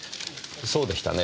そうでしたね。